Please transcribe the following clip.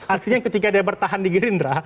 artinya ketika dia bertahan di gerindra